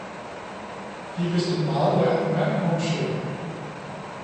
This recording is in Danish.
I er vist en meget lærd mand, monsieur!